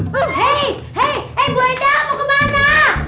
hei hei bu endang mau kemana